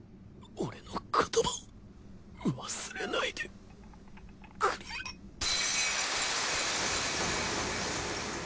俺の言葉を忘れないでくれ。